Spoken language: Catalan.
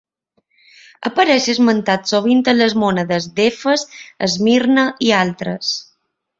Apareix esmentat sovint a les monedes d'Efes, Esmirna i altres.